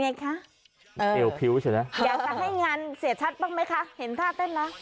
อยากจะให้งานเสียชัดบ้างไหมคะเห็นท่าเต้นไหม